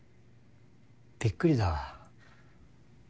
びっくりだわ。